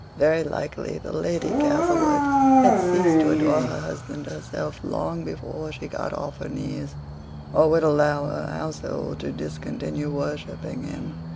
Very likely the Lady Castlewood had ceased to adore her husband herself long before she got off her knees, or would allow her household to discontinue worshipping him.